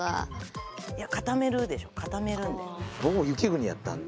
ボクも雪国やったんで。